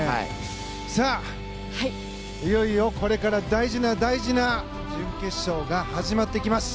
さあ、いよいよこれから大事な大事な準決勝が始まっていきます。